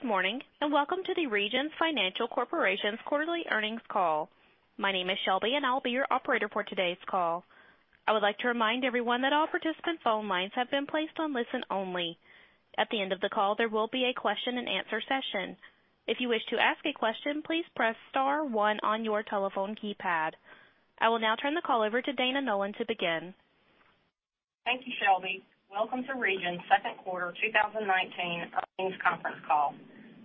Good morning. Welcome to Regions Financial Corporation's quarterly earnings call. My name is Shelby, and I will be your operator for today's call. I would like to remind everyone that all participant phone lines have been placed on listen-only. At the end of the call, there will be a question-and-answer session. If you wish to ask a question, please press star one on your telephone keypad. I will now turn the call over to Dana Nolan to begin. Thank you, Shelby. Welcome to Regions' second quarter 2019 earnings conference call.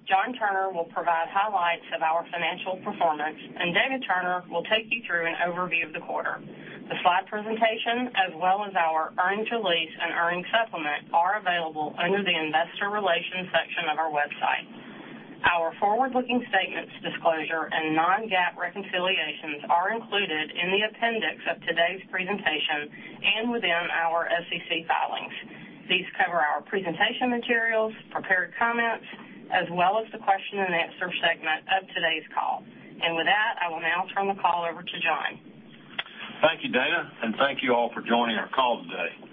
John Turner will provide highlights of our financial performance. David Turner will take you through an overview of the quarter. The slide presentation, as well as our earnings release and earnings supplement, are available under the investor relations section of our website. Our forward-looking statements disclosure and non-GAAP reconciliations are included in the appendix of today's presentation and within our SEC filings. These cover our presentation materials, prepared comments, as well as the question-and-answer segment of today's call. With that, I will now turn the call over to John. Thank you, Dana. Thank you all for joining our call today.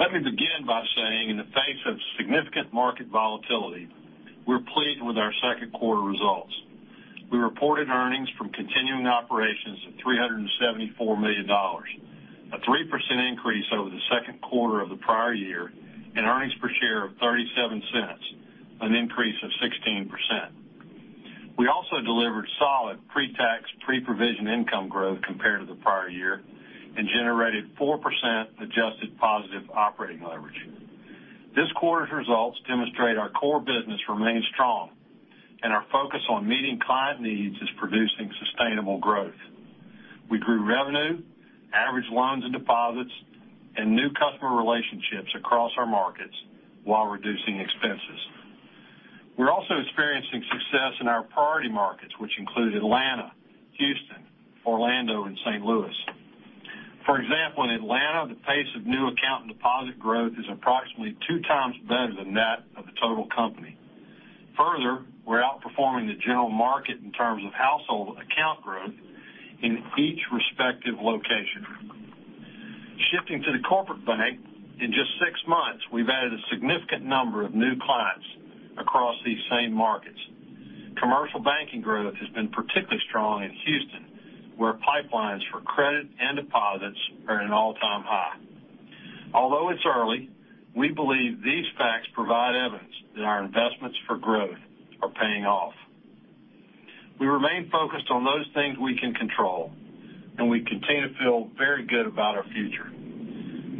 Let me begin by saying in the face of significant market volatility, we're pleased with our second quarter results. We reported earnings from continuing operations of $374 million, a 3% increase over the second quarter of the prior year, and earnings per share of $0.37, an increase of 16%. We also delivered solid pre-tax, pre-provision income growth compared to the prior year and generated 4% adjusted positive operating leverage. This quarter's results demonstrate our core business remains strong, and our focus on meeting client needs is producing sustainable growth. We grew revenue, average loans and deposits, and new customer relationships across our markets while reducing expenses. We're also experiencing success in our priority markets, which include Atlanta, Houston, Orlando, and St. Louis. For example, in Atlanta, the pace of new account and deposit growth is approximately two times better than that of the total company. Further, we're outperforming the general market in terms of household account growth in each respective location. Shifting to the corporate bank, in just six months, we've added a significant number of new clients across these same markets. Commercial banking growth has been particularly strong in Houston, where pipelines for credit and deposits are at an all-time high. Although it's early, we believe these facts provide evidence that our investments for growth are paying off. We remain focused on those things we can control. We continue to feel very good about our future.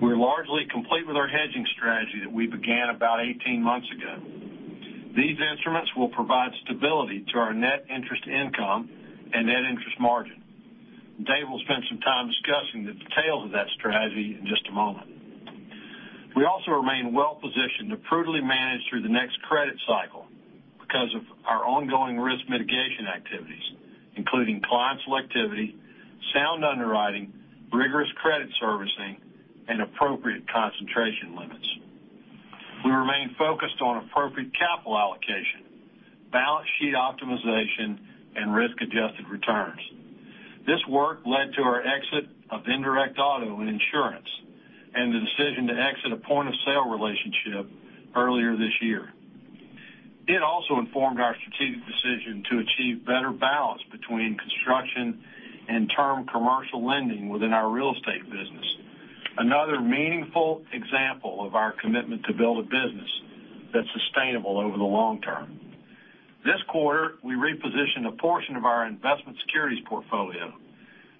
We're largely complete with our hedging strategy that we began about 18 months ago. These instruments will provide stability to our net interest income and net interest margin. David will spend some time discussing the details of that strategy in just a moment. We also remain well positioned to prudently manage through the next credit cycle because of our ongoing risk mitigation activities, including client selectivity, sound underwriting, rigorous credit servicing, and appropriate concentration limits. We remain focused on appropriate capital allocation, balance sheet optimization, and risk-adjusted returns. This work led to our exit of indirect auto and insurance and the decision to exit a point-of-sale relationship earlier this year. It also informed our strategic decision to achieve better balance between construction and term commercial lending within our real estate business. Another meaningful example of our commitment to build a business that's sustainable over the long term. This quarter, we repositioned a portion of our investment securities portfolio,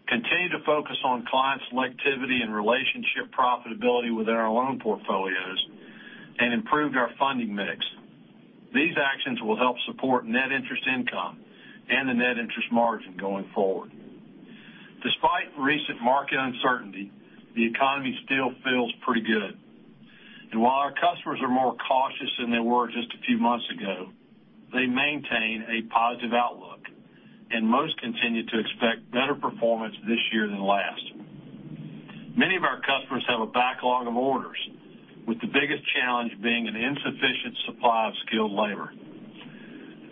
continued to focus on client selectivity and relationship profitability within our loan portfolios, and improved our funding mix. These actions will help support net interest income and the net interest margin going forward. Despite recent market uncertainty, the economy still feels pretty good. While our customers are more cautious than they were just a few months ago, they maintain a positive outlook, and most continue to expect better performance this year than last. Many of our customers have a backlog of orders, with the biggest challenge being an insufficient supply of skilled labor.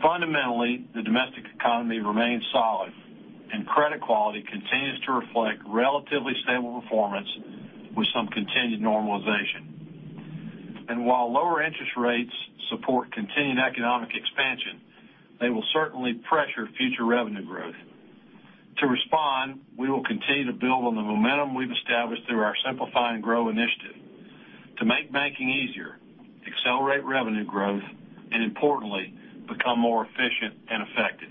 Fundamentally, the domestic economy remains solid, and credit quality continues to reflect relatively stable performance with some continued normalization. While lower interest rates support continued economic expansion, they will certainly pressure future revenue growth. To respond, we will continue to build on the momentum we've established through our Simplify and Grow initiative to make banking easier, accelerate revenue growth, and importantly, become more efficient and effective.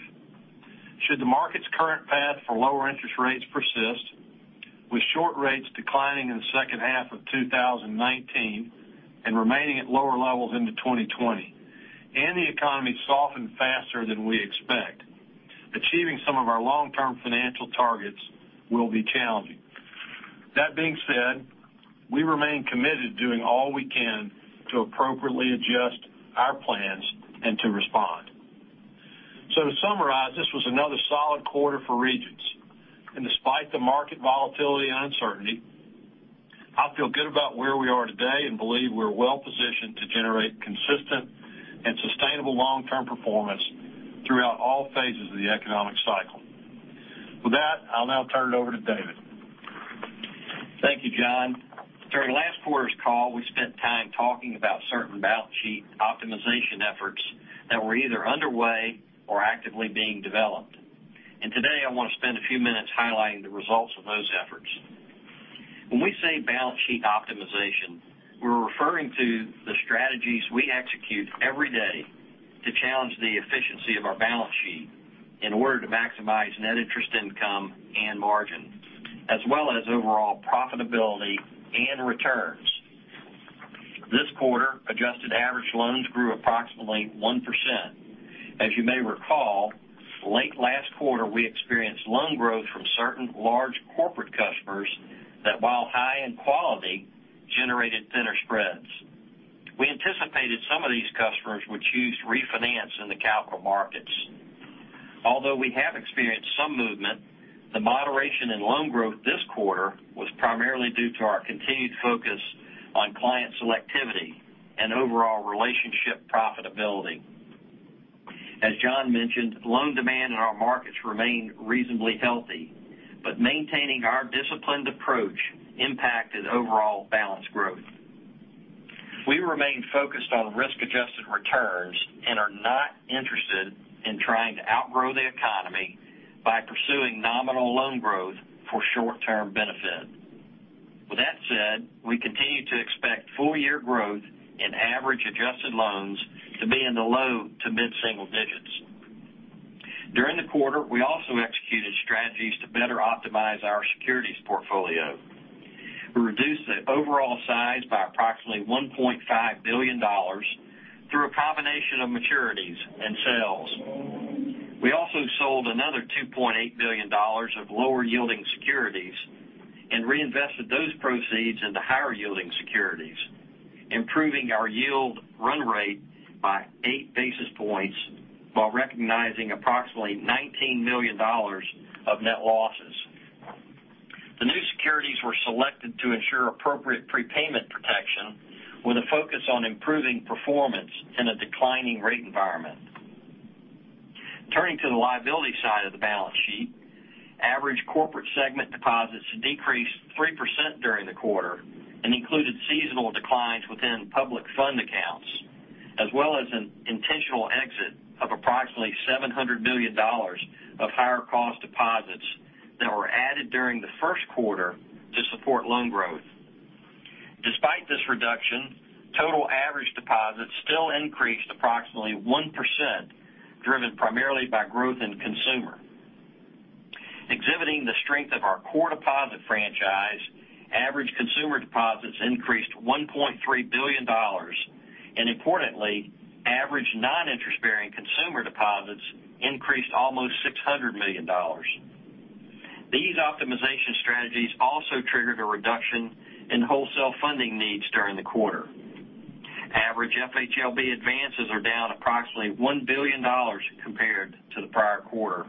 Should the market's current path for lower interest rates persist, with short rates declining in the second half of 2019 and remaining at lower levels into 2020, and the economy soften faster than we expect, achieving some of our long-term financial targets will be challenging. That being said, we remain committed to doing all we can to appropriately adjust our plans and to respond. To summarize, this was another solid quarter for Regions. Despite the market volatility and uncertainty, I feel good about where we are today and believe we're well positioned to generate consistent and sustainable long-term performance throughout all phases of the economic cycle. With that, I'll now turn it over to David Thank you, John. During last quarter's call, we spent time talking about certain balance sheet optimization efforts that were either underway or actively being developed. Today, I want to spend a few minutes highlighting the results of those efforts. When we say balance sheet optimization, we're referring to the strategies we execute every day to challenge the efficiency of our balance sheet in order to maximize net interest income and margin, as well as overall profitability and returns. This quarter, adjusted average loans grew approximately 1%. As you may recall, late last quarter, we experienced loan growth from certain large corporate customers that, while high-end quality, generated thinner spreads. We anticipated some of these customers would choose refinance in the capital markets. Although we have experienced some movement, the moderation in loan growth this quarter was primarily due to our continued focus on client selectivity and overall relationship profitability. As John mentioned, loan demand in our markets remained reasonably healthy, but maintaining our disciplined approach impacted overall balance growth. We remain focused on risk-adjusted returns and are not interested in trying to outgrow the economy by pursuing nominal loan growth for short-term benefit. That said, we continue to expect full-year growth in average adjusted loans to be in the low to mid-single digits. During the quarter, we also executed strategies to better optimize our securities portfolio. We reduced the overall size by approximately $1.5 billion through a combination of maturities and sales. We also sold another $2.8 billion of lower-yielding securities and reinvested those proceeds into higher-yielding securities, improving our yield run rate by eight basis points while recognizing approximately $19 million of net losses. The new securities were selected to ensure appropriate prepayment protection with a focus on improving performance in a declining rate environment. Turning to the liability side of the balance sheet, average corporate segment deposits decreased 3% during the quarter and included seasonal declines within public fund accounts, as well as an intentional exit of approximately $700 million of higher-cost deposits that were added during the first quarter to support loan growth. Despite this reduction, total average deposits still increased approximately 1%, driven primarily by growth in consumer. Exhibiting the strength of our core deposit franchise, average consumer deposits increased $1.3 billion. Importantly, average non-interest-bearing consumer deposits increased almost $600 million. These optimization strategies also triggered a reduction in wholesale funding needs during the quarter. Average FHLB advances are down approximately $1 billion compared to the prior quarter.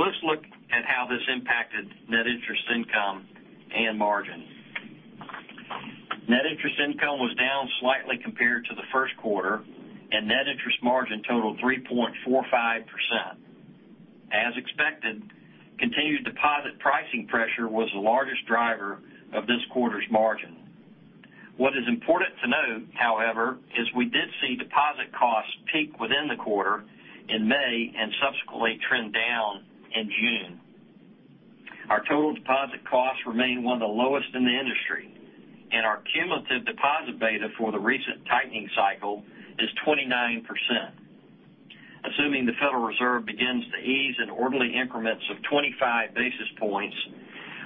Let's look at how this impacted net interest income and margin. Net interest income was down slightly compared to the first quarter, and net interest margin totaled 3.45%. As expected, continued deposit pricing pressure was the largest driver of this quarter's margin. What is important to note, however, is we did see deposit costs peak within the quarter in May and subsequently trend down in June. Our total deposit costs remain one of the lowest in the industry, and our cumulative deposit beta for the recent tightening cycle is 29%. Assuming the Federal Reserve begins to ease in orderly increments of 25 basis points,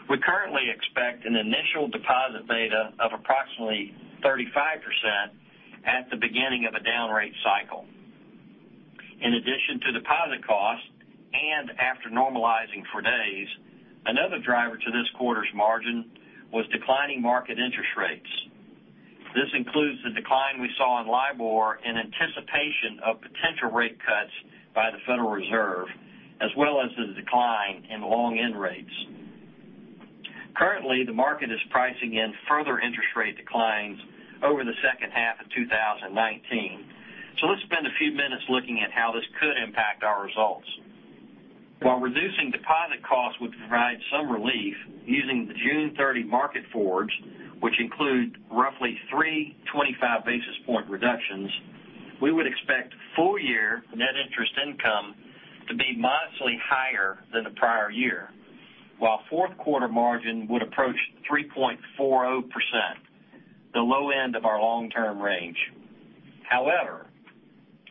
we currently expect an initial deposit beta of approximately 35% at the beginning of a down rate cycle. In addition to deposit costs and after normalizing for days, another driver to this quarter's margin was declining market interest rates. This includes the decline we saw in LIBOR in anticipation of potential rate cuts by the Federal Reserve, as well as the decline in long-end rates. Currently, the market is pricing in further interest rate declines over the second half of 2019. Let's spend a few minutes looking at how this could impact our results. While reducing deposit costs would provide some relief, using the June 30 market forwards, which include roughly three 25 basis point reductions, we would expect full year net interest income to be modestly higher than the prior year, while fourth quarter margin would approach 3.40%, the low end of our long-term range.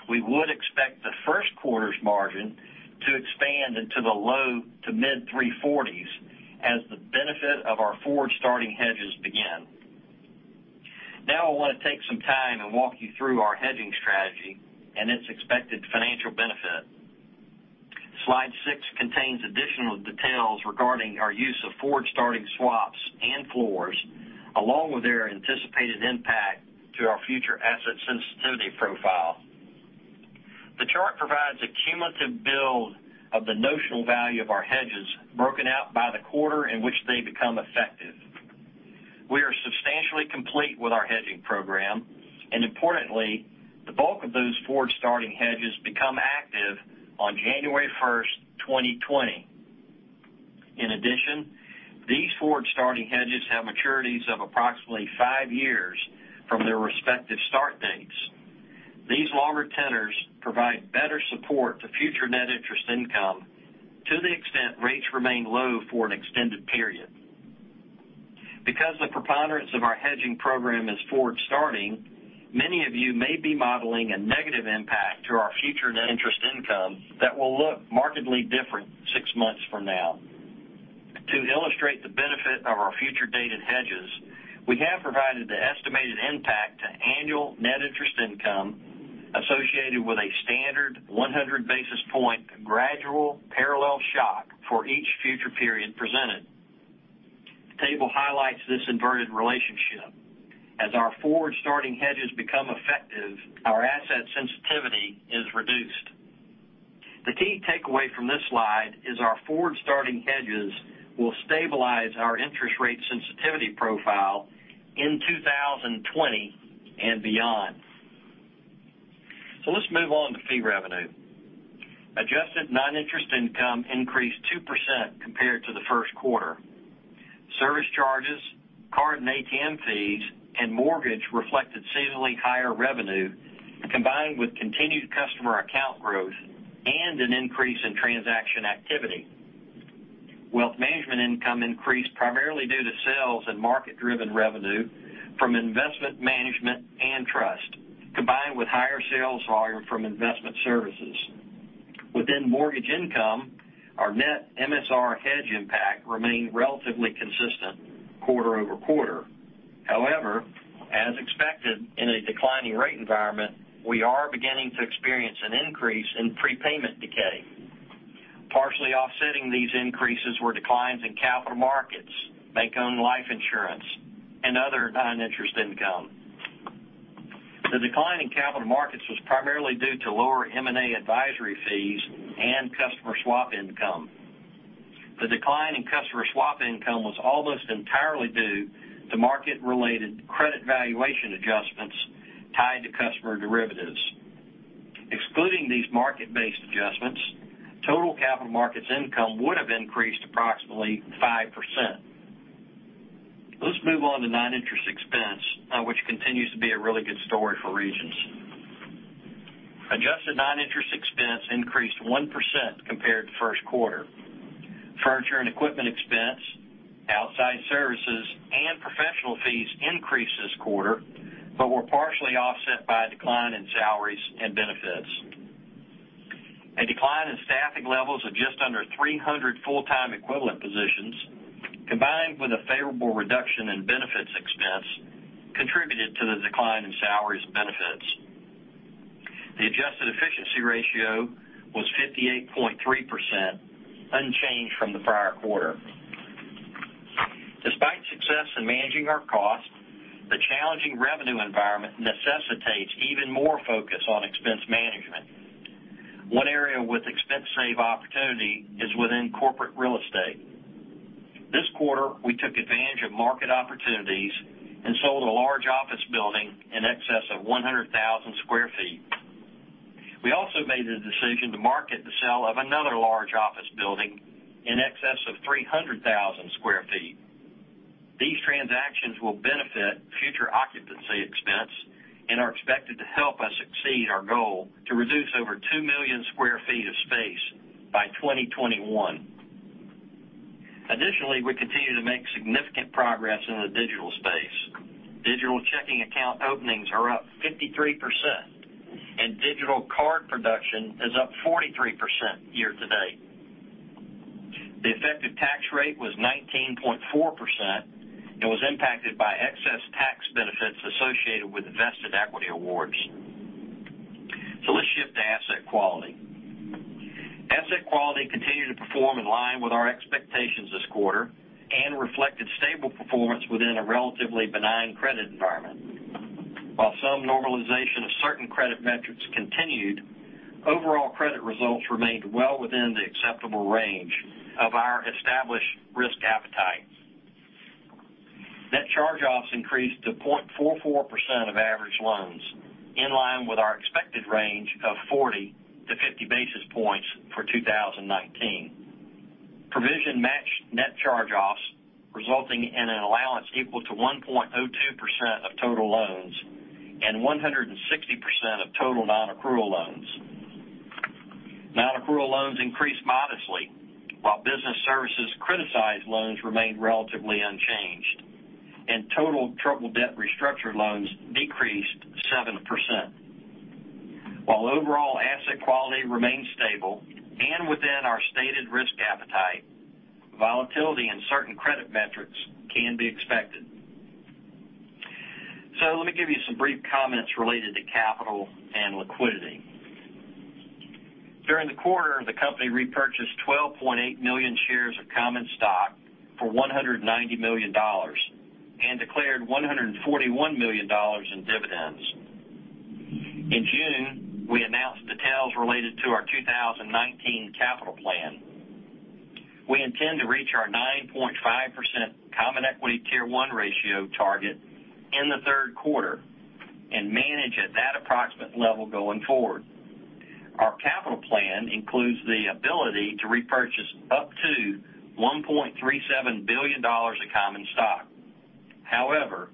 We would expect the first quarter's margin to expand into the low to mid-340s as the benefit of our forward-starting hedges begin. I want to take some time and walk you through our hedging strategy and its expected financial benefit. Slide six contains additional details regarding our use of forward-starting swaps and floors, along with their anticipated impact to our future asset sensitivity profile. The chart provides a cumulative build of the notional value of our hedges broken out by the quarter in which they become effective. We are to complete with our hedging program, and importantly, the bulk of those forward-starting hedges become active on January first, 2020. In addition, these forward-starting hedges have maturities of approximately five years from their respective start dates. These longer tenors provide better support to future net interest income to the extent rates remain low for an extended period. Because the preponderance of our hedging program is forward starting, many of you may be modeling a negative impact to our future net interest income that will look markedly different six months from now. To illustrate the benefit of our future dated hedges, we have provided the estimated impact to annual net interest income associated with a standard 100 basis point gradual parallel shock for each future period presented. The table highlights this inverted relationship. As our forward-starting hedges become effective, our asset sensitivity is reduced. The key takeaway from this slide is our forward-starting hedges will stabilize our interest rate sensitivity profile in 2020 and beyond. Let's move on to fee revenue. Adjusted non-interest income increased 2% compared to the first quarter. Service charges, card and ATM fees, and mortgage reflected seasonally higher revenue, combined with continued customer account growth and an increase in transaction activity. Wealth management income increased primarily due to sales and market-driven revenue from investment management and trust, combined with higher sales volume from investment services. Within mortgage income, our net MSR hedge impact remained relatively consistent quarter-over-quarter. However, as expected in a declining rate environment, we are beginning to experience an increase in prepayment decay. Partially offsetting these increases were declines in capital markets, bank-owned life insurance, and other non-interest income. The decline in capital markets was primarily due to lower M&A advisory fees and customer swap income. The decline in customer swap income was almost entirely due to market-related credit valuation adjustments tied to customer derivatives. Excluding these market-based adjustments, total capital markets income would have increased approximately 5%. Let's move on to non-interest expense, which continues to be a really good story for Regions. Adjusted non-interest expense increased 1% compared to first quarter. Furniture and equipment expense, outside services, and professional fees increased this quarter, but were partially offset by a decline in salaries and benefits. A decline in staffing levels of just under 300 full-time equivalent positions, combined with a favorable reduction in benefits expense, contributed to the decline in salaries and benefits. The adjusted efficiency ratio was 58.3%, unchanged from the prior quarter. Despite success in managing our cost, the challenging revenue environment necessitates even more focus on expense management. One area with expense save opportunity is within corporate real estate. This quarter, we took advantage of market opportunities and sold a large office building in excess of 100,000 square feet. We also made the decision to market the sale of another large office building in excess of 300,000 square feet. These transactions will benefit future occupancy expense and are expected to help us exceed our goal to reduce over 2 million square feet of space by 2021. Additionally, we continue to make significant progress in the digital space. Digital checking account openings are up 53%, and digital card production is up 43% year-to-date. The effective tax rate was 19.4%, and was impacted by excess tax benefits associated with vested equity awards. Let's shift to asset quality. Asset quality continued to perform in line with our expectations this quarter and reflected stable performance within a relatively benign credit environment. While some normalization of certain credit metrics continued, overall credit results remained well within the acceptable range of our established risk appetite. Net charge-offs increased to 0.44% of average loans, in line with our expected range of 40 to 50 basis points for 2019. Provision matched net charge-offs, resulting in an allowance equal to 1.02% of total loans and 160% of total non-accrual loans. Non-accrual loans increased modestly, while business services criticized loans remained relatively unchanged, and total troubled debt restructured loans decreased 7%. While overall asset quality remains stable and within our stated risk appetite, volatility in certain credit metrics can be expected. Let me give you some brief comments related to capital and liquidity. During the quarter, the company repurchased 12.8 million shares of common stock for $190 million and declared $141 million in dividends. Related to our 2019 capital plan, we intend to reach our 9.5% Common Equity Tier 1 ratio target in the third quarter and manage at that approximate level going forward. Our capital plan includes the ability to repurchase up to $1.37 billion of common stock. However,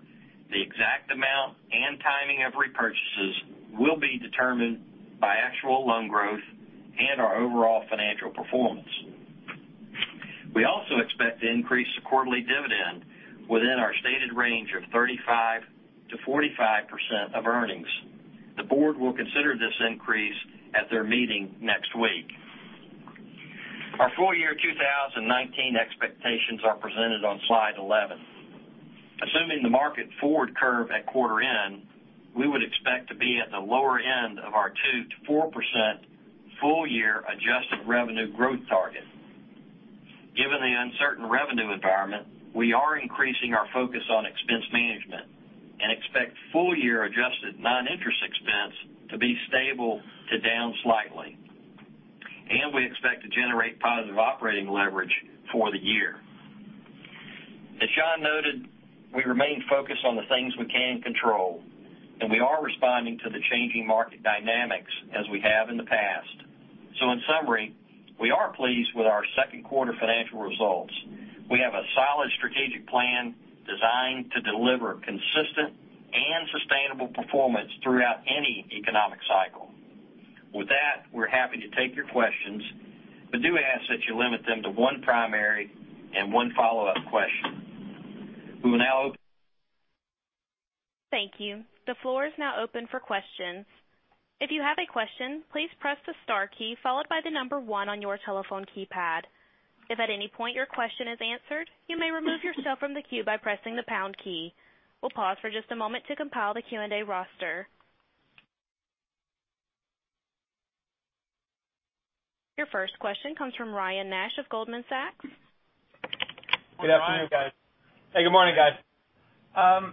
the exact amount and timing of repurchases will be determined by actual loan growth and our overall financial performance. We also expect to increase the quarterly dividend within our stated range of 35%-45% of earnings. The board will consider this increase at their meeting next week. Our full-year 2019 expectations are presented on slide 11. Assuming the market forward curve at quarter end, we would expect to be at the lower end of our 2%-4% full-year adjusted revenue growth target. Given the uncertain revenue environment, we are increasing our focus on expense management and expect full-year adjusted non-interest expense to be stable to down slightly. We expect to generate positive operating leverage for the year. As John noted, we remain focused on the things we can control, and we are responding to the changing market dynamics as we have in the past. In summary, we are pleased with our second quarter financial results. We have a solid strategic plan designed to deliver consistent and sustainable performance throughout any economic cycle. With that, we are happy to take your questions, but do ask that you limit them to one primary and one follow-up question. We will now open- Thank you. The floor is now open for questions. If you have a question, please press the star key followed by the number one on your telephone keypad. If at any point your question is answered, you may remove yourself from the queue by pressing the pound key. We will pause for just a moment to compile the Q&A roster. Your first question comes from Ryan Nash of Goldman Sachs. Good afternoon, guys. Hey, good morning, guys.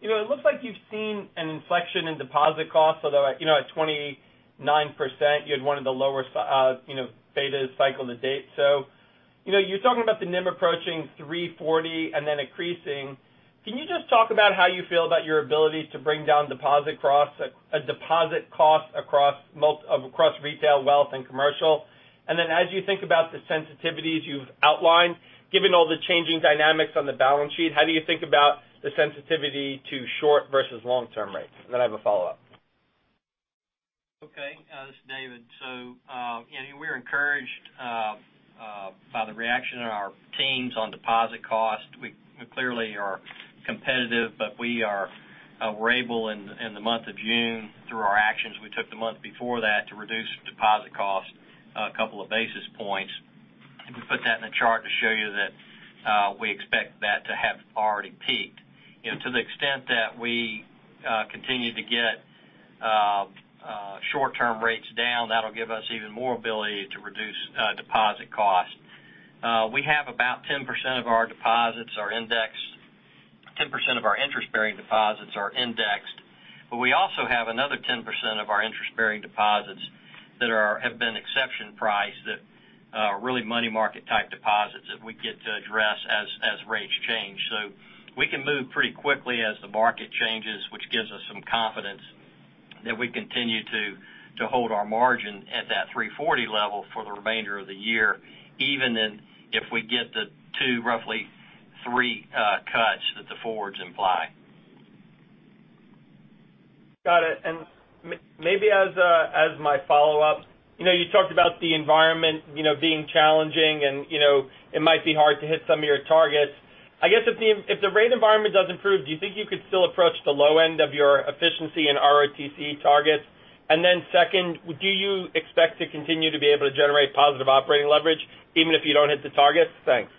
It looks like you've seen an inflection in deposit costs, although at 29%, you had one of the lower betas cycle to date. You're talking about the NIM approaching 340 and then increasing. Can you just talk about how you feel about your ability to bring down deposit costs across retail, wealth, and commercial? Then as you think about the sensitivities you've outlined, given all the changing dynamics on the balance sheet, how do you think about the sensitivity to short versus long-term rates? Then I have a follow-up. Okay. This is David. We're encouraged by the reaction of our teams on deposit cost. We clearly are competitive, but we were able in the month of June, through our actions we took the month before that, to reduce deposit costs a couple of basis points. We put that in the chart to show you that we expect that to have already peaked. To the extent that we continue to get short-term rates down, that'll give us even more ability to reduce deposit costs. We have about 10% of our interest-bearing deposits are indexed, but we also have another 10% of our interest-bearing deposits that have been exception priced that are really money market type deposits that we get to address as rates change. We can move pretty quickly as the market changes, which gives us some confidence that we continue to hold our margin at that 340 level for the remainder of the year, even if we get the two, roughly three cuts that the forwards imply. Got it. Maybe as my follow-up, you talked about the environment being challenging and it might be hard to hit some of your targets. I guess if the rate environment does improve, do you think you could still approach the low end of your efficiency and ROTCE targets? Then second, do you expect to continue to be able to generate positive operating leverage even if you don't hit the targets? Thanks.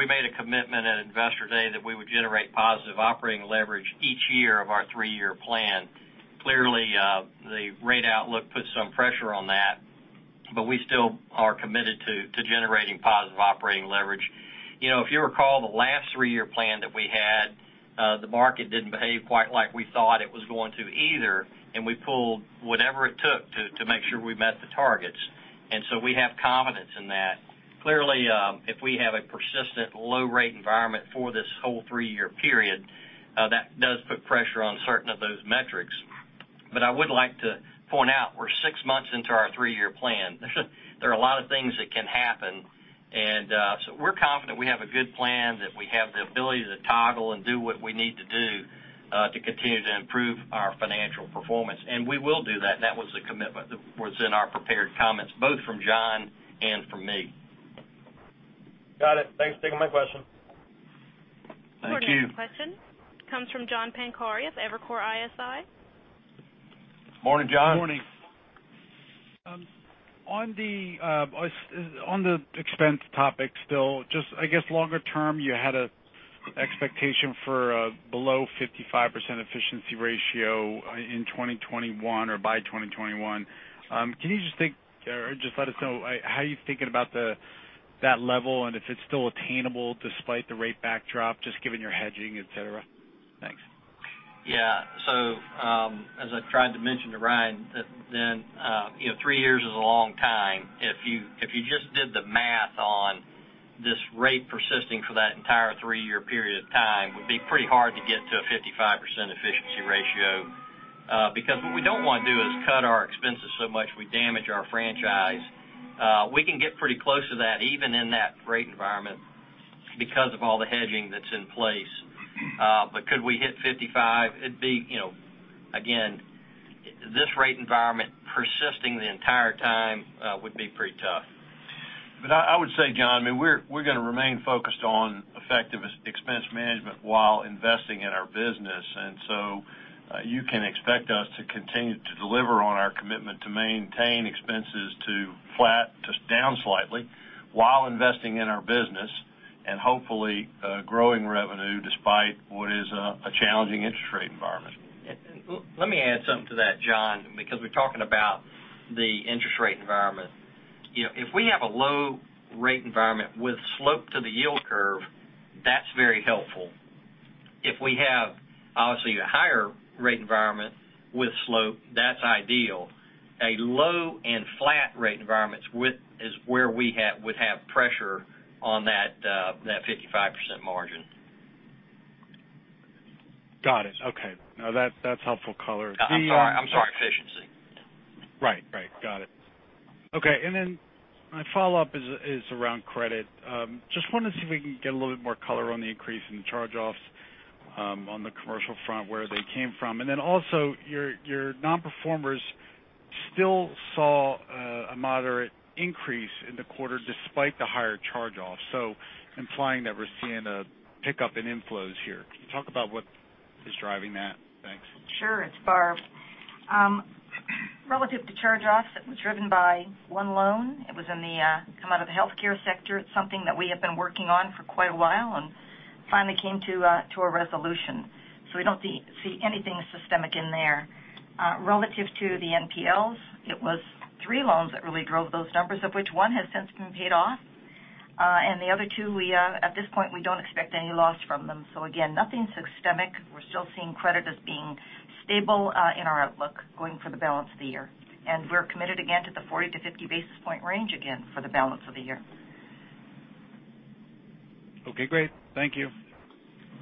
We made a commitment at Investor Day that we would generate positive operating leverage each year of our three-year plan. Clearly, the rate outlook puts some pressure on that, but we still are committed to generating positive operating leverage. If you recall the last three-year plan that we had, the market didn't behave quite like we thought it was going to either, we pulled whatever it took to make sure we met the targets. We have confidence in that. Clearly, if we have a persistent low rate environment for this whole three-year period, that does put pressure on certain of those metrics. I would like to point out we're six months into our three-year plan. There are a lot of things that can happen. We're confident we have a good plan, that we have the ability to toggle and do what we need to do to continue to improve our financial performance. We will do that. That was the commitment that was in our prepared comments, both from John and from me. Got it. Thanks. Taking my question. Thank you. Your next question comes from John Pancari of Evercore ISI. Morning, John. Morning. On the expense topic still, just I guess longer term, you had an expectation for below 55% efficiency ratio in 2021 or by 2021. Can you just let us know how you're thinking about that level, and if it's still attainable despite the rate backdrop, just given your hedging, et cetera. Thanks. Yeah. as I tried to mention to Ryan, that then three years is a long time. If you just did the math on this rate persisting for that entire three-year period of time, it would be pretty hard to get to a 55% efficiency ratio. what we don't want to do is cut our expenses so much we damage our franchise. We can get pretty close to that even in that rate environment because of all the hedging that's in place. Could we hit 55%? Again, this rate environment persisting the entire time would be pretty tough. I would say, John, we're going to remain focused on effective expense management while investing in our business. You can expect us to continue to deliver on our commitment to maintain expenses to flat, just down slightly, while investing in our business and hopefully growing revenue despite what is a challenging interest rate environment. Let me add something to that, John, because we're talking about the interest rate environment. If we have a low rate environment with slope to the yield curve, that's very helpful. If we have, obviously, a higher rate environment with slope, that's ideal. A low and flat rate environment is where we would have pressure on that 55% margin. Got it. Okay. That's helpful color. I'm sorry, efficiency. Right. Got it. My follow-up is around credit. Just wanted to see if we can get a little bit more color on the increase in charge-offs on the commercial front, where they came from. Also, your non-performers still saw a moderate increase in the quarter despite the higher charge-offs. Implying that we're seeing a pickup in inflows here. Can you talk about what is driving that? Thanks. Sure. It's Barb. Relative to charge-offs, it was driven by one loan. It came out of the healthcare sector. It's something that we have been working on for quite a while, and finally came to a resolution. We don't see anything systemic in there. Relative to the NPLs, it was three loans that really drove those numbers, of which one has since been paid off. The other two, at this point, we don't expect any loss from them. Again, nothing systemic. We're still seeing credit as being stable in our outlook going for the balance of the year. We're committed again to the 40 to 50 basis point range again for the balance of the year. Okay, great. Thank you.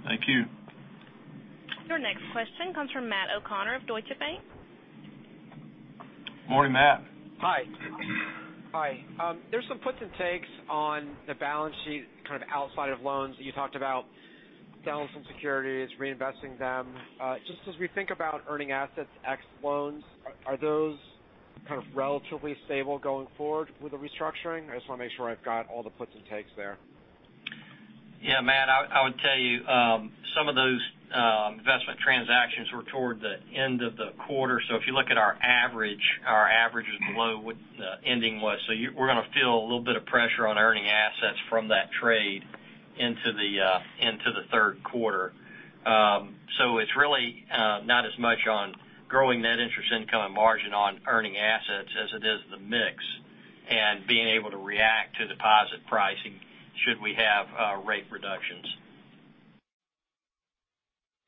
Thank you. Your next question comes from Matt O'Connor of Deutsche Bank. Morning, Matt. Hi. There's some puts and takes on the balance sheet, kind of outside of loans. You talked about selling some securities, reinvesting them. Just as we think about earning assets ex loans, are those kind of relatively stable going forward with the restructuring? I just want to make sure I've got all the puts and takes there. Yeah, Matt, I would tell you, some of those investment transactions were toward the end of the quarter. If you look at our average, our average was below what the ending was. We're going to feel a little bit of pressure on earning assets from that trade into the third quarter. It's really not as much on growing net interest income and margin on earning assets as it is the mix and being able to react to deposit pricing should we have rate reductions.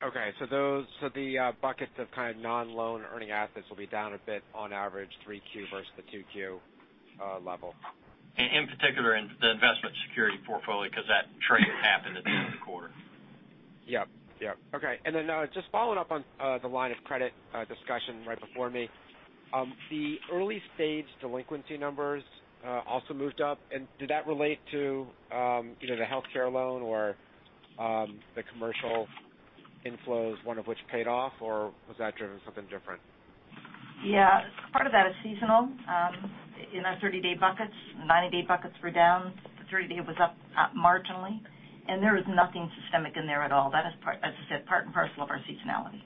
The buckets of kind of non-loan earning assets will be down a bit on average 3Q versus the 2Q level. In particular, in the investment security portfolio, because that trade happened at the end of the quarter. Just following up on the line of credit discussion right before me. The early stage delinquency numbers also moved up. Did that relate to the healthcare loan or the commercial inflows, one of which paid off, or was that driven something different? Part of that is seasonal. In our 30-day buckets, 90-day buckets were down. The 30-day was up marginally. There is nothing systemic in there at all. That is, as I said, part and parcel of our seasonality.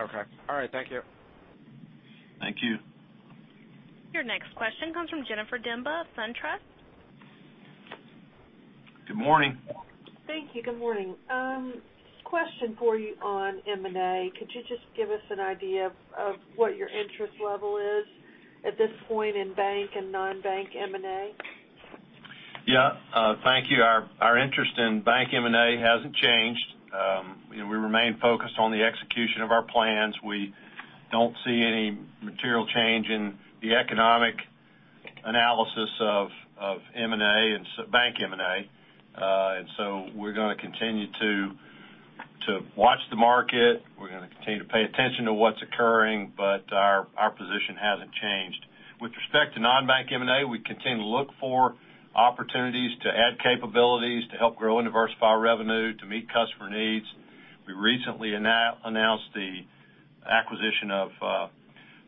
Okay. All right. Thank you. Thank you. Your next question comes from Jennifer Demba, SunTrust. Good morning. Thank you. Good morning. Question for you on M&A. Could you just give us an idea of what your interest level is at this point in bank and non-bank M&A? Yeah. Thank you. Our interest in bank M&A hasn't changed. We remain focused on the execution of our plans. We don't see any material change in the economic analysis of bank M&A. So we're going to continue to watch the market. We're going to continue to pay attention to what's occurring, but our position hasn't changed. With respect to non-bank M&A, we continue to look for opportunities to add capabilities to help grow and diversify revenue to meet customer needs. We recently announced the acquisition of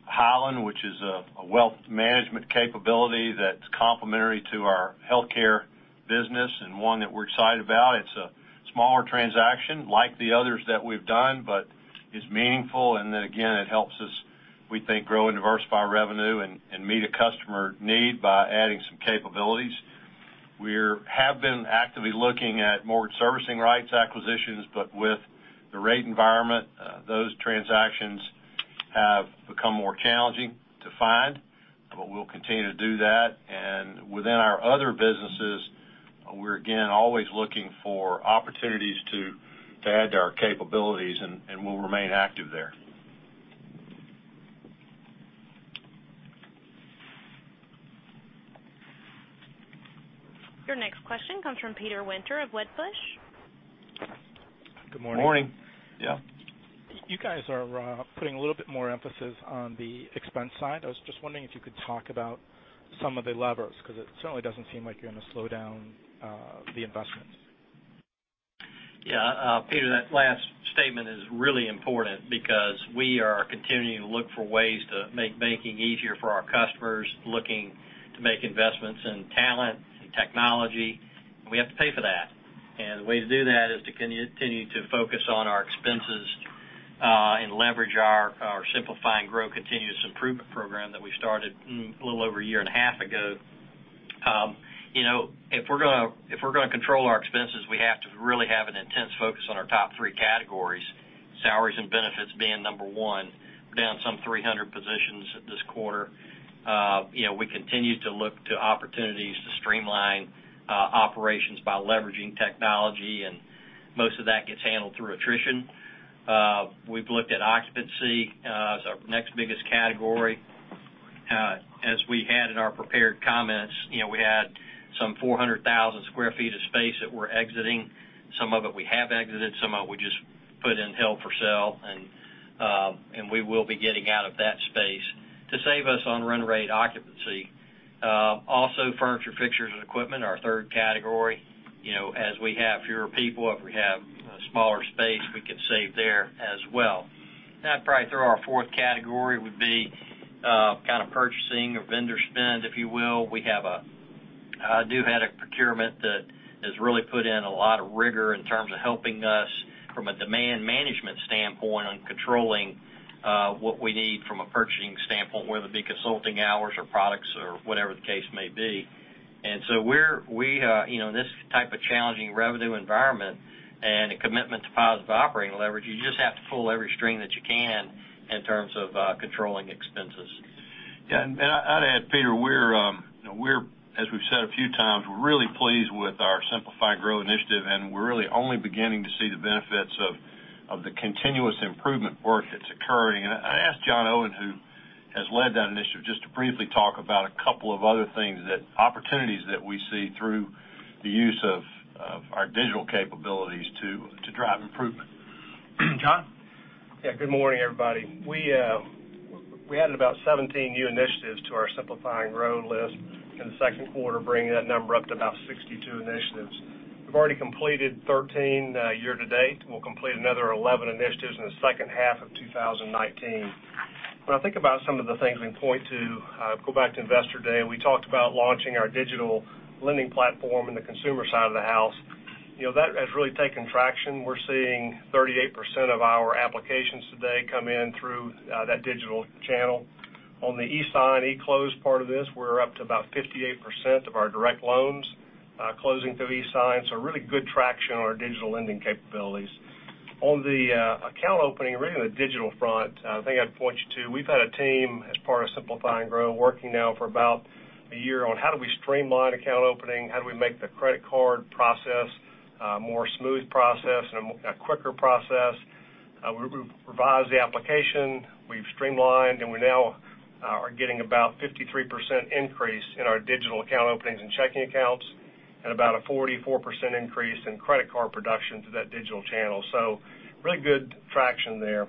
Highland, which is a wealth management capability that's complementary to our healthcare business and one that we're excited about. It's a smaller transaction like the others that we've done, but it's meaningful, then again, it helps us, we think, grow and diversify revenue and meet a customer need by adding some capabilities. We have been actively looking at mortgage servicing rights acquisitions, but with the rate environment, those transactions have become more challenging to find. We'll continue to do that. Within our other businesses, we're again always looking for opportunities to add to our capabilities, and we'll remain active there. Your next question comes from Peter Winter of Wedbush. Good morning. Morning. Yeah. You guys are putting a little bit more emphasis on the expense side. I was just wondering if you could talk about some of the levers, because it certainly doesn't seem like you're going to slow down the investments? Peter, that last statement is really important because we are continuing to look for ways to make banking easier for our customers, looking to make investments in talent, in technology. We have to pay for that. The way to do that is to continue to focus on our expenses, and leverage our Simplify and Grow continuous improvement program that we started a little over a year and a half ago. If we're going to control our expenses, we have to really have an intense focus on our top three categories, salaries and benefits being number one. We're down some 300 positions this quarter. We continue to look to opportunities to streamline operations by leveraging technology, and most of that gets handled through attrition. We've looked at occupancy as our next biggest category. As we had in our prepared comments, we had some 400,000 sq ft of space that we're exiting. Some of it we have exited, some of it we just put in held for sale. We will be getting out of that space to save us on run rate occupancy. Also, furniture, fixtures, and equipment are our third category. As we have fewer people, if we have smaller space, we can save there as well. I'd probably throw our fourth category would be kind of purchasing or vendor spend, if you will. We have a new head of procurement that has really put in a lot of rigor in terms of helping us from a demand management standpoint on controlling what we need from a purchasing standpoint, whether it be consulting hours or products or whatever the case may be. In this type of challenging revenue environment and a commitment to positive operating leverage, you just have to pull every string that you can in terms of controlling expenses. Yeah. I'd add, Peter, as we've said a few times, we're really pleased with our Simplify and Grow initiative, and we're really only beginning to see the benefits of the continuous improvement work that's occurring. I asked John Owen, who has led that initiative, just to briefly talk about a couple of other things, opportunities that we see through the use of our digital capabilities to drive improvement. John? Yeah. Good morning, everybody. We added about 17 new initiatives to our Simplify and Grow list in the second quarter, bringing that number up to about 62 initiatives. We've already completed 13 year-to-date. We'll complete another 11 initiatives in the second half of 2019. When I think about some of the things we can point to, go back to Investor Day, we talked about launching our digital lending platform in the consumer side of the house. That has really taken traction. We're seeing 38% of our applications today come in through that digital channel. On the e-sign, e-close part of this, we're up to about 58% of our direct loans closing through e-sign. Really good traction on our digital lending capabilities. On the account opening, really on the digital front, the thing I'd point you to, we've had a team as part of Simplify and Grow working now for about a year on how do we streamline account opening, how do we make the credit card process a more smooth process and a quicker process. We revised the application. We've streamlined. We now are getting about a 53% increase in our digital account openings and checking accounts, and about a 44% increase in credit card production through that digital channel. Really good traction there.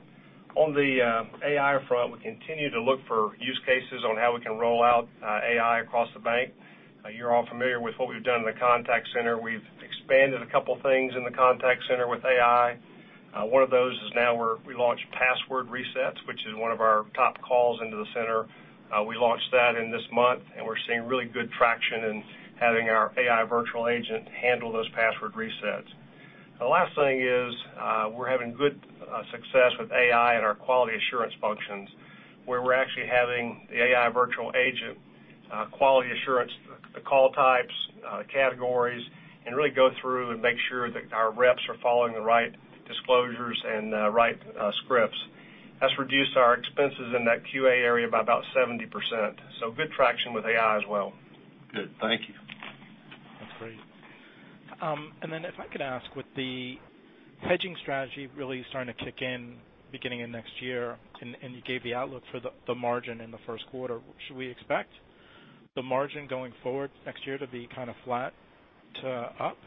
On the AI front, we continue to look for use cases on how we can roll out AI across the bank. You're all familiar with what we've done in the contact center. We've expanded a couple things in the contact center with AI. One of those is now we launched password resets, which is one of our top calls into the center. We launched that in this month. We're seeing really good traction in having our AI virtual agent handle those password resets. The last thing is we're having good success with AI in our quality assurance functions, where we're actually having the AI virtual agent quality assurance the call types, categories, and really go through and make sure that our reps are following the right disclosures and the right scripts. That's reduced our expenses in that QA area by about 70%. Good traction with AI as well. Good. Thank you. That's great. If I could ask, with the hedging strategy really starting to kick in beginning of next year, and you gave the outlook for the margin in the first quarter, should we expect the margin going forward next year to be kind of flat to up?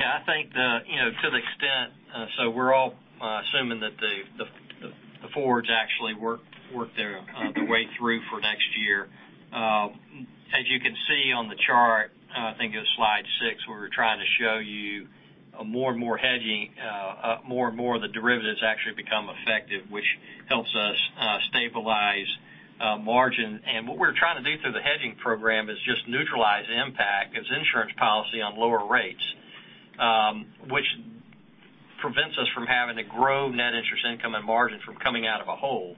I think to the extent, we're all assuming that the forwards actually work their way through for next year. As you can see on the chart, I think it was slide six, where we were trying to show you more and more of the derivatives actually become effective, which helps us stabilize margin. What we're trying to do through the hedging program is just neutralize the impact as insurance policy on lower rates. To grow net interest income and margins from coming out of a hole.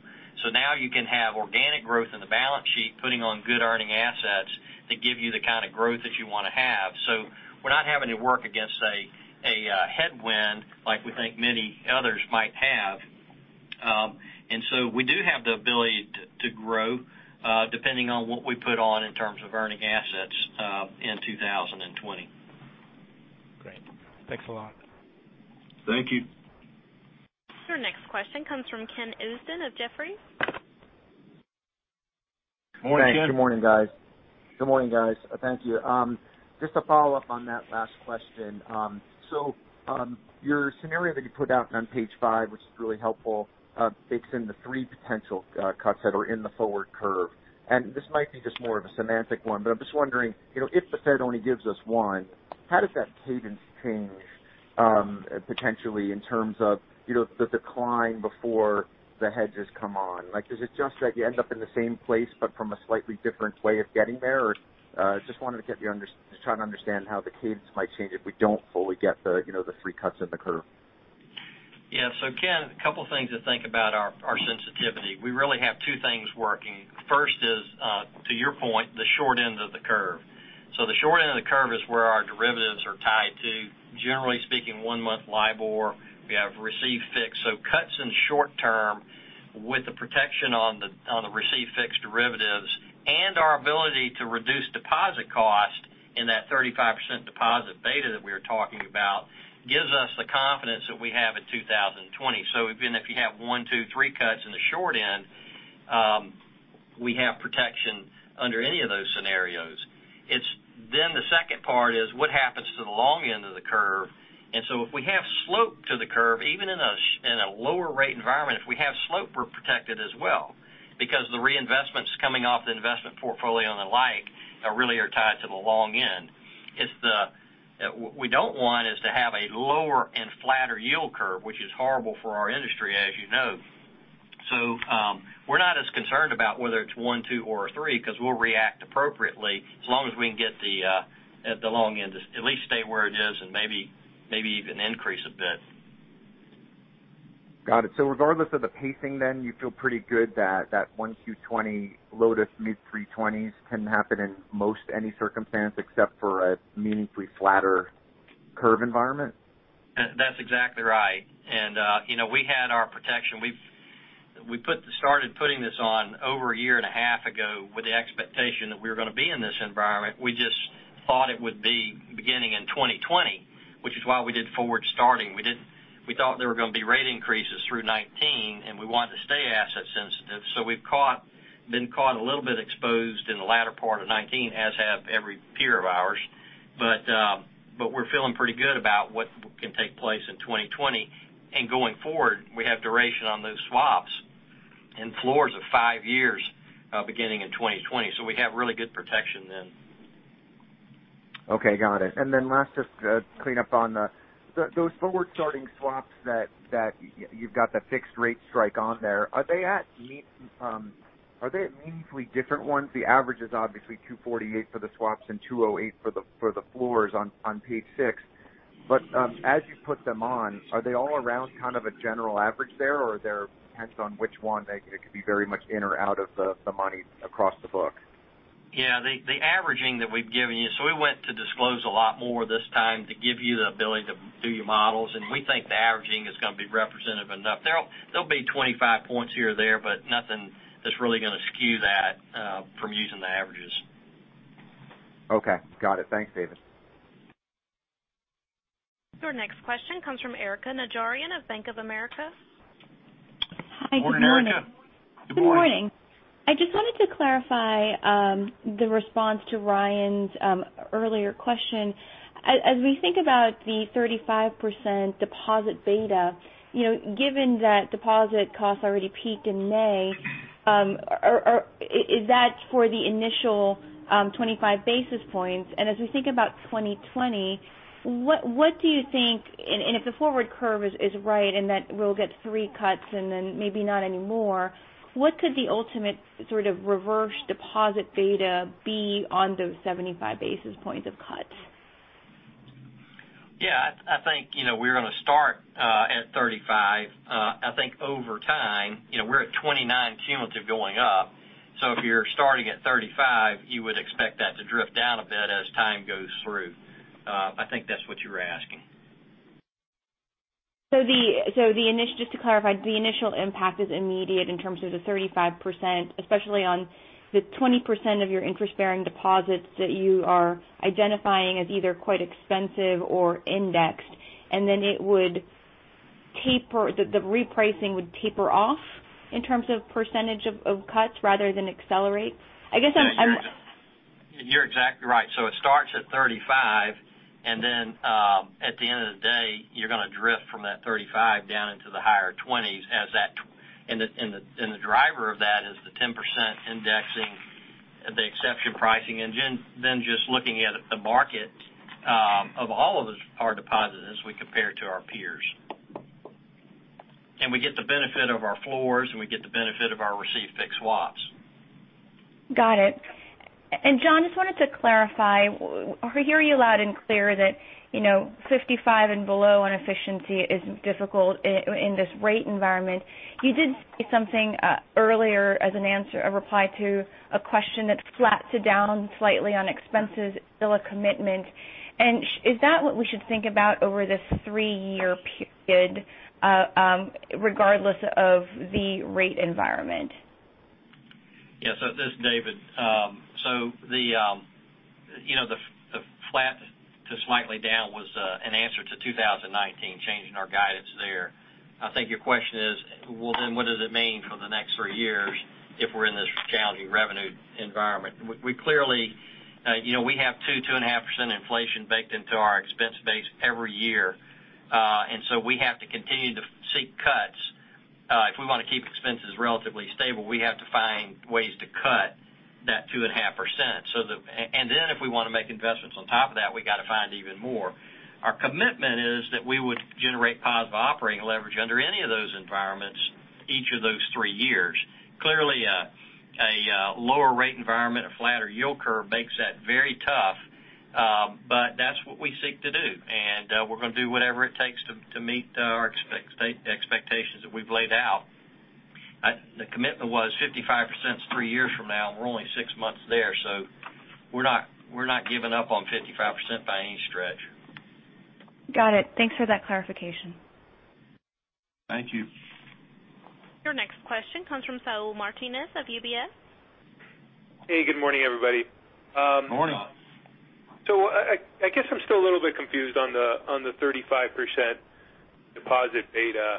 Now you can have organic growth in the balance sheet, putting on good earning assets that give you the kind of growth that you want to have. We're not having to work against a headwind like we think many others might have. We do have the ability to grow, depending on what we put on in terms of earning assets in 2020. Great. Thanks a lot. Thank you. Your next question comes from Ken Usdin of Jefferies. Morning, Ken. Thanks. Good morning, guys. Thank you. Just to follow up on that last question. Your scenario that you put out on page five, which is really helpful, it is in the three potential cuts that are in the forward curve. This might be just more of a semantic one, but I am just wondering, if the Fed only gives us one, how does that cadence change, potentially, in terms of the decline before the hedges come on? Is it just that you end up in the same place but from a slightly different way of getting there? Just wanted to try to understand how the cadence might change if we do not fully get the three cuts in the curve. Yeah. Ken, a couple things to think about our sensitivity. We really have two things working. First is, to your point, the short end of the curve. The short end of the curve is where our derivatives are tied to, generally speaking, one-month LIBOR. We have received fix. Cuts in short term with the protection on the received fixed derivatives and our ability to reduce deposit cost in that 35% deposit beta that we were talking about gives us the confidence that we have in 2020. Even if you have one, two, three cuts in the short end, we have protection under any of those scenarios. The second part is what happens to the long end of the curve. If we have slope to the curve, even in a lower rate environment, if we have slope, we're protected as well because the reinvestments coming off the investment portfolio and the like really are tied to the long end. What we don't want is to have a lower and flatter yield curve, which is horrible for our industry, as you know. We're not as concerned about whether it's one, two, or three, because we'll react appropriately as long as we can get the long end to at least stay where it is and maybe even increase a bit. Got it. Regardless of the pacing then, you feel pretty good that one Q20 low to mid 3.40s can happen in most any circumstance except for a meaningfully flatter curve environment? That's exactly right. We had our protection. We started putting this on over a year and a half ago with the expectation that we were going to be in this environment. We just thought it would be beginning in 2020, which is why we did forward starting. We thought there were going to be rate increases through 2019, and we wanted to stay asset sensitive. We've been caught a little bit exposed in the latter part of 2019, as have every peer of ours. We're feeling pretty good about what can take place in 2020. Going forward, we have duration on those swaps and floors of five years, beginning in 2020. We have really good protection then. Okay, got it. Last, just to clean up on those forward-starting swaps that you've got the fixed rate strike on there, are they at meaningfully different ones? The average is obviously 248 for the swaps and 208 for the floors on page six. As you put them on, are they all around kind of a general average there, or depends on which one, they could be very much in or out of the money across the book? Yeah. The averaging that we've given you. We went to disclose a lot more this time to give you the ability to do your models, and we think the averaging is going to be representative enough. There'll be 25 points here or there, but nothing that's really going to skew that from using the averages. Okay. Got it. Thanks, David. Your next question comes from Erika Najarian of Bank of America. Morning, Erika. Good morning. Good morning. I just wanted to clarify the response to Ryan's earlier question. As we think about the 35% deposit beta, given that deposit costs already peaked in May, is that for the initial 25 basis points? If the forward curve is right and that we'll get three cuts and then maybe not anymore, what could the ultimate sort of reverse deposit beta be on those 75 basis points of cuts? Yeah, I think we're going to start at 35. I think over time, we're at 29 cumulative going up. If you're starting at 35, you would expect that to drift down a bit as time goes through. I think that's what you were asking. Just to clarify, the initial impact is immediate in terms of the 35%, especially on the 20% of your interest-bearing deposits that you are identifying as either quite expensive or indexed, and then the repricing would taper off in terms of percentage of cuts rather than accelerate? You're exactly right. It starts at 35, and then at the end of the day, you're going to drift from that 35 down into the higher twenties. The driver of that is the 10% indexing, the exception pricing, and then just looking at the market of all of our depositors as we compare to our peers. We get the benefit of our floors, and we get the benefit of our received fixed swaps. Got it. John, just wanted to clarify. We hear you loud and clear that 55% and below on efficiency is difficult in this rate environment. You did say something earlier as a reply to a question that flat to down slightly on expenses is still a commitment. Is that what we should think about over this three-year period, regardless of the rate environment? Yes. This is David Turner. The flat to slightly down was an answer to 2019, changing our guidance there. I think your question is, well, then what does it mean for the next three years if we're in this challenging revenue environment? We have 2%, 2.5% inflation baked into our expense base every year. We have to continue to seek cuts. If we want to keep expenses relatively stable, we have to find ways to cut that 2.5%. If we want to make investments on top of that, we got to find even more. Our commitment is that we would generate positive operating leverage under any of those environments, each of those three years. Clearly, a lower rate environment, a flatter yield curve makes that very tough. That's what we seek to do, and we're going to do whatever it takes to meet our expectations that we've laid out. The commitment was 55% three years from now, and we're only six months there. We're not giving up on 55% by any stretch. Got it. Thanks for that clarification. Thank you. Your next question comes from Saul Martinez of UBS. Hey, good morning, everybody. Morning. I guess I'm still a little bit confused on the 35% deposit beta,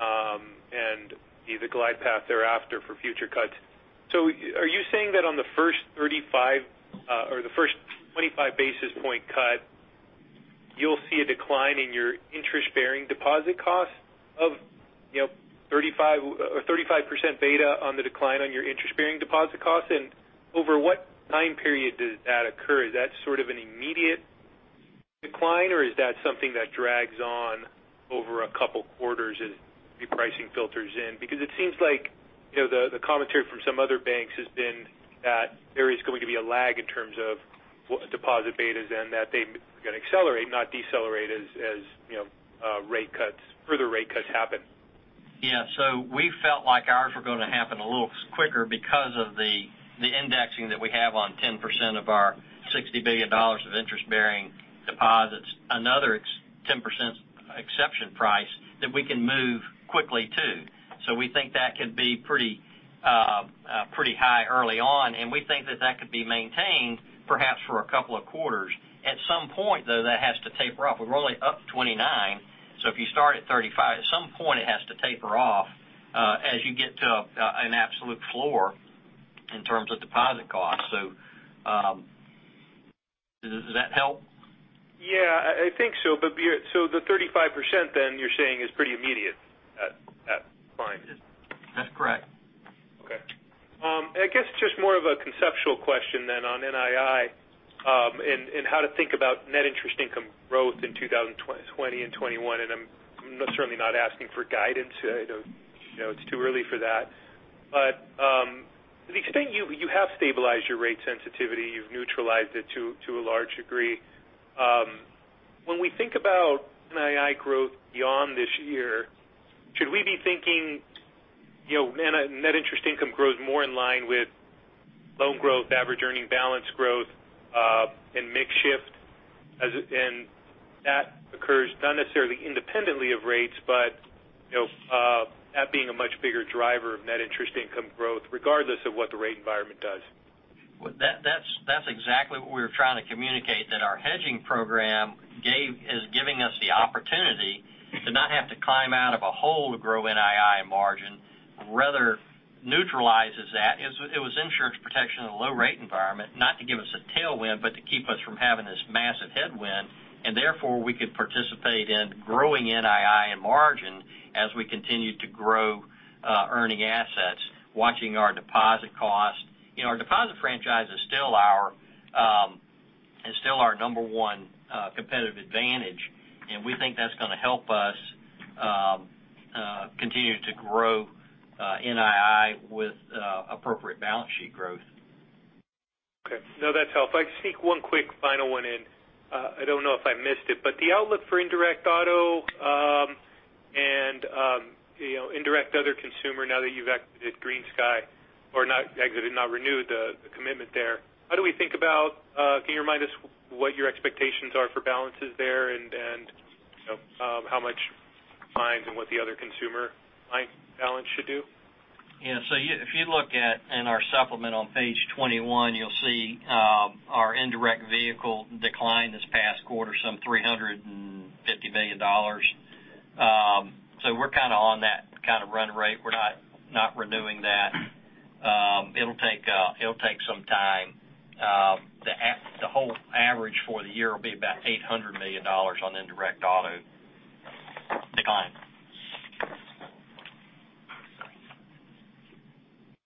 and the glide path thereafter for future cuts. Are you saying that on the first 35 or the first 25 basis point cut, you'll see a decline in your interest-bearing deposit cost of 35% beta on the decline on your interest-bearing deposit costs? Over what time period does that occur? Is that sort of an immediate decline, or is that something that drags on over a couple quarters as your pricing filters in? It seems like the commentary from some other banks has been that there is going to be a lag in terms of what deposit beta is and that they are going to accelerate, not decelerate as further rate cuts happen. We felt like ours were going to happen a little quicker because of the indexing that we have on 10% of our $60 billion of interest-bearing deposits, another 10% exception price that we can move quickly to. We think that could be pretty high early on, and we think that that could be maintained perhaps for a couple of quarters. At some point, though, that has to taper off. We're only up 29. If you start at 35, at some point, it has to taper off as you get to an absolute floor in terms of deposit costs. Does that help? I think so. The 35% then you're saying is pretty immediate at fine. That's correct. I guess just more of a conceptual question then on NII and how to think about net interest income growth in 2020 and 2021, and I'm certainly not asking for guidance. I know it's too early for that. To the extent you have stabilized your rate sensitivity, you've neutralized it to a large degree. When we think about NII growth beyond this year, should we be thinking net interest income grows more in line with loan growth, average earning balance growth, and mix shift, and that occurs not necessarily independently of rates, but that being a much bigger driver of net interest income growth regardless of what the rate environment does? That's exactly what we're trying to communicate, that our hedging program is giving us the opportunity to not have to climb out of a hole to grow NII and margin, rather neutralizes that. It was insurance protection in a low rate environment, not to give us a tailwind, but to keep us from having this massive headwind, therefore, we could participate in growing NII and margin as we continued to grow earning assets, watching our deposit cost. Our deposit franchise is still our number one competitive advantage, and we think that's going to help us continue to grow NII with appropriate balance sheet growth. Okay. No, that's helpful. If I can sneak one quick final one in. I don't know if I missed it, the outlook for indirect auto and indirect other consumer now that you've exited GreenSky or not exited, not renewed the commitment there. Can you remind us what your expectations are for balances there and how much lines and what the other consumer line balance should do? Yeah. If you look at in our supplement on page 21, you'll see our indirect vehicle decline this past quarter, some $350 million. We're kind of on that kind of run rate. We're not renewing that. It'll take some time. The whole average for the year will be about $800 million on indirect auto decline.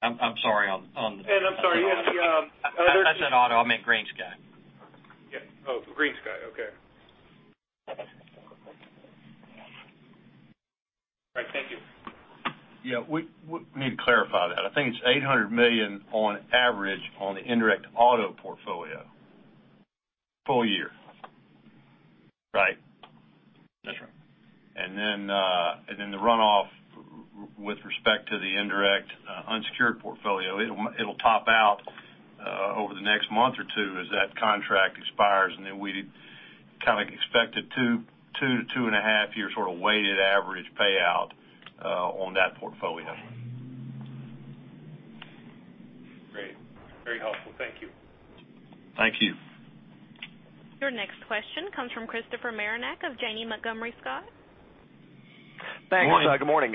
I'm sorry, you had the other- I said auto, I meant GreenSky. Yeah, we need to clarify that. I think it's $800 million on average on the indirect auto portfolio full-year. Right. That's right. Then the runoff with respect to the indirect unsecured portfolio, it'll top out over the next month or two as that contract expires, and then we kind of expect a two to two and a half year sort of weighted average payout on that portfolio. Great. Very helpful. Thank you. Thank you. Your next question comes from Christopher Marinac of Janney Montgomery Scott. Thanks. Good morning.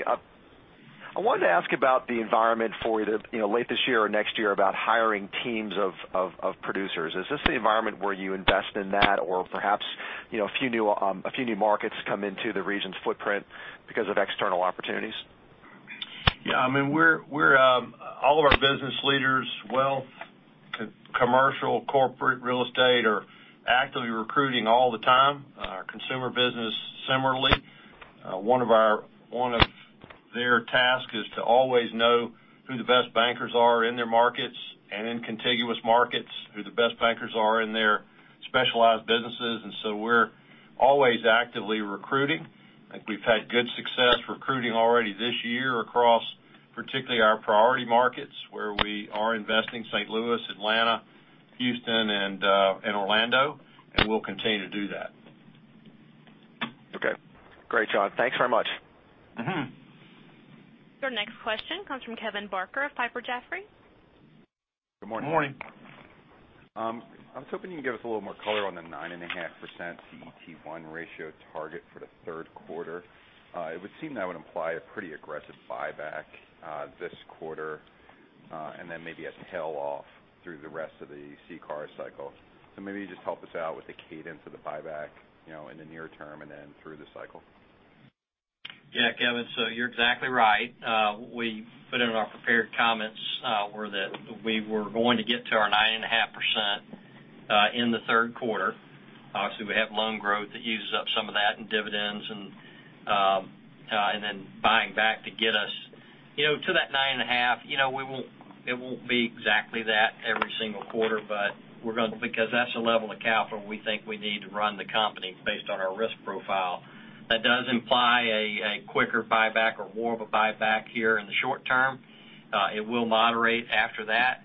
I wanted to ask about the environment for late this year or next year about hiring teams of producers. Is this the environment where you invest in that or perhaps a few new markets come into the Regions footprint because of external opportunities? Yeah. All of our business leaders, wealth, commercial, corporate, real estate, are actively recruiting all the time. Our consumer business similarly. One of their tasks is to always know who the best bankers are in their markets and in contiguous markets, who the best bankers are in their specialized businesses. We're always actively recruiting. I think we've had good success recruiting already this year across particularly our priority markets where we are investing, St. Louis, Atlanta, Houston, and Orlando. We'll continue to do that. Okay. Great, John. Thanks very much. Your next question comes from Kevin Barker of Piper Jaffray. Good morning. Morning. I was hoping you could give us a little more color on the 9.5% CET1 ratio target for the third quarter. It would seem that would imply a pretty aggressive buyback this quarter, and then maybe a tail off through the rest of the CCAR cycle. Maybe just help us out with the cadence of the buyback in the near term and then through the cycle. Kevin, you're exactly right. We put in our prepared comments were that we were going to get to our 9.5% in the third quarter. Obviously, we have loan growth that uses up some of that in dividends and then buying back to get us to that 9.5%. It won't be exactly that every single quarter because that's the level of capital we think we need to run the company based on our risk profile. That does imply a quicker buyback or more of a buyback here in the short term. It will moderate after that,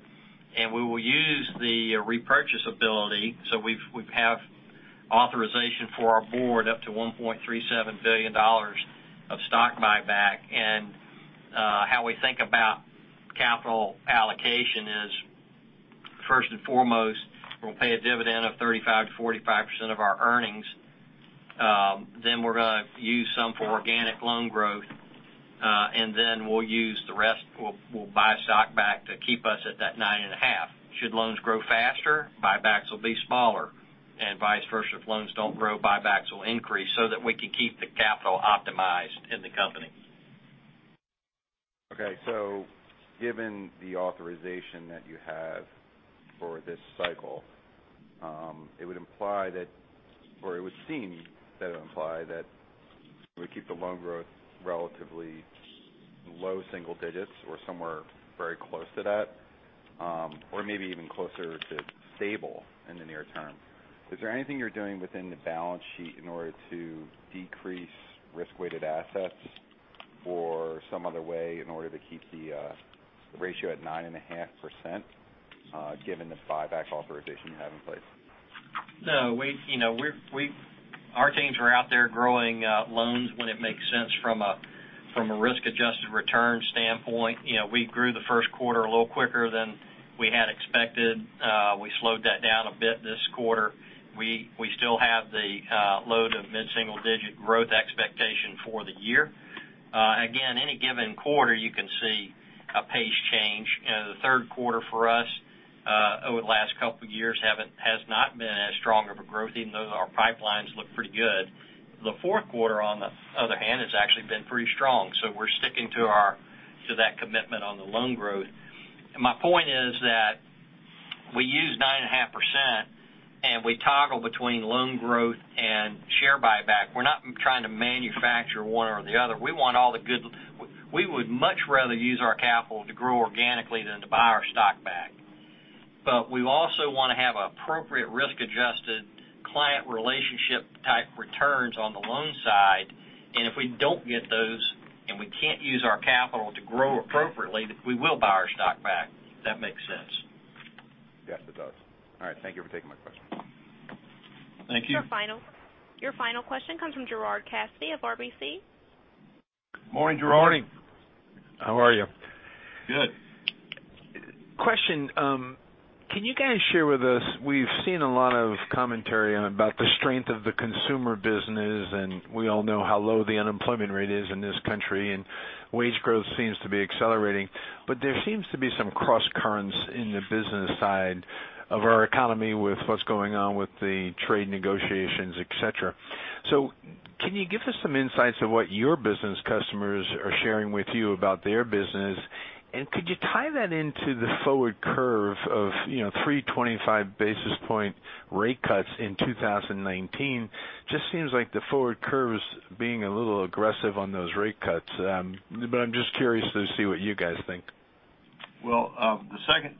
and we will use the repurchase ability. We have authorization for our board up to $1.37 billion of stock buyback. How we think about capital allocation is, first and foremost, we'll pay a dividend of 35%-45% of our earnings. We're going to use some for organic loan growth, and then we'll use the rest. We'll buy stock back to keep us at that 9.5%. Should loans grow faster, buybacks will be smaller, and vice versa. If loans don't grow, buybacks will increase so that we can keep the capital optimized in the company. Given the authorization that you have for this cycle, it would seem that it would imply that it would keep the loan growth relatively low single digits or somewhere very close to that or maybe even closer to stable in the near term. Is there anything you're doing within the balance sheet in order to decrease risk-weighted assets or some other way in order to keep the ratio at 9.5% given the buyback authorization you have in place? No. Our teams are out there growing loans when it makes sense from a risk-adjusted return standpoint. We grew the first quarter a little quicker than we had expected. We slowed that down a bit this quarter. We still have low to mid-single-digit growth expectation for the year. Again, any given quarter, you can see a pace change. The third quarter for us over the last couple of years has not been as strong of a growth, even though our pipelines look pretty good. The fourth quarter, on the other hand, has actually been pretty strong. We're sticking to that commitment on the loan growth. My point is that we use 9.5% and we toggle between loan growth and share buyback. We're not trying to manufacture one or the other. We would much rather use our capital to grow organically than to buy our stock back. We also want to have appropriate risk-adjusted client relationship type returns on the loan side. If we don't get those and we can't use our capital to grow appropriately, we will buy our stock back, if that makes sense. Yes, it does. All right. Thank you for taking my question. Thank you. Your final question comes from Gerard Cassidy of RBC. Morning, Gerard. Morning. How are you? Good. Question. Can you guys share with us, we've seen a lot of commentary about the strength of the consumer business, and we all know how low the unemployment rate is in this country, and wage growth seems to be accelerating. There seems to be some cross currents in the business side of our economy with what's going on with the trade negotiations, et cetera. Can you give us some insights of what your business customers are sharing with you about their business? Could you tie that into the forward curve of 325 basis point rate cuts in 2019? Just seems like the forward curve is being a little aggressive on those rate cuts. I'm just curious to see what you guys think. Well, to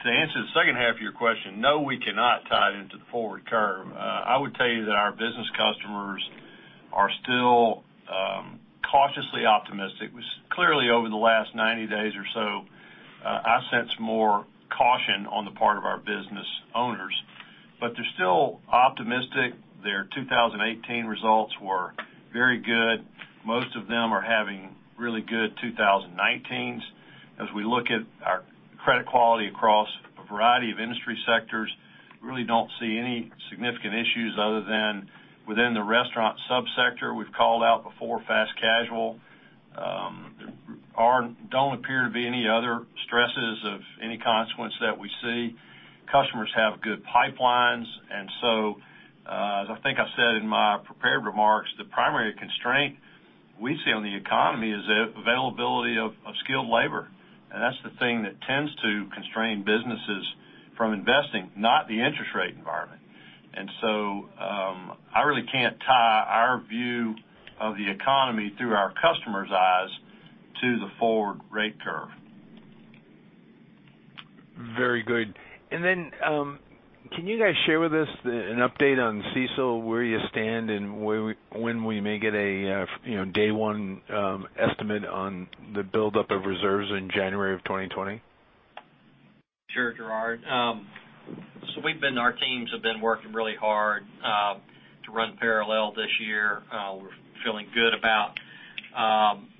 answer the second half of your question, no, we cannot tie it into the forward curve. I would tell you that our business customers are still cautiously optimistic. Clearly over the last 90 days or so, I sense more caution on the part of our business owners, but they're still optimistic. Their 2018 results were very good. Most of them are having really good 2019s. As we look at our credit quality across a variety of industry sectors, we really don't see any significant issues other than within the restaurant sub-sector we've called out before, fast casual. Don't appear to be any other stresses of any consequence that we see. Customers have good pipelines. As I think I said in my prepared remarks, the primary constraint we see on the economy is the availability of skilled labor. That's the thing that tends to constrain businesses from investing, not the interest rate environment. I really can't tie our view of the economy through our customers' eyes to the forward rate curve. Very good. Can you guys share with us an update on CECL, where you stand, and when we may get a day one estimate on the buildup of reserves in January of 2020? Sure, Gerard. Our teams have been working really hard, to run parallel this year. We're feeling good about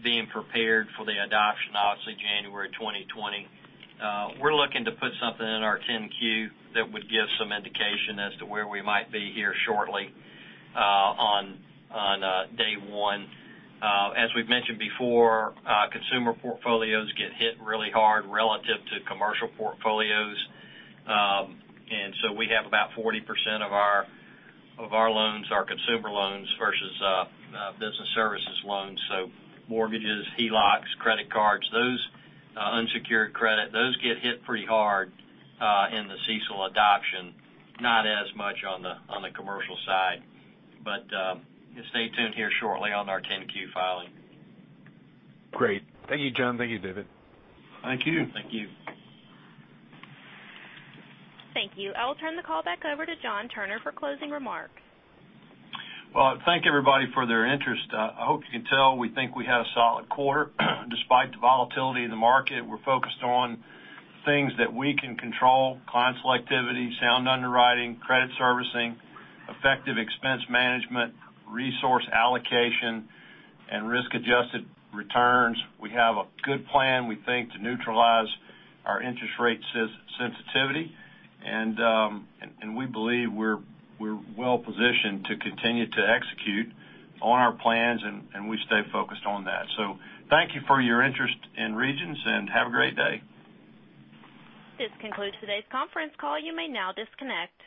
being prepared for the adoption, obviously January 2020. We're looking to put something in our 10-Q that would give some indication as to where we might be here shortly, on day one. As we've mentioned before, consumer portfolios get hit really hard relative to commercial portfolios. We have about 40% of our loans are consumer loans versus business services loans. So mortgages, HELOCs, credit cards, those unsecured credit, those get hit pretty hard, in the CECL adoption, not as much on the commercial side. Stay tuned here shortly on our 10-Q filing. Great. Thank you, John. Thank you, David. Thank you. Thank you. Thank you. I will turn the call back over to John Turner for closing remarks. Thank everybody for their interest. I hope you can tell, we think we had a solid quarter despite the volatility in the market. We are focused on things that we can control: client selectivity, sound underwriting, credit servicing, effective expense management, resource allocation, and risk-adjusted returns. We have a good plan, we think, to neutralize our interest rate sensitivity, and we believe we are well positioned to continue to execute on our plans, and we stay focused on that. Thank you for your interest in Regions, and have a great day. This concludes today's conference call. You may now disconnect.